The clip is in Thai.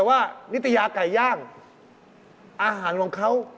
ว่านิตยาไก่ย่างอาหารของเขา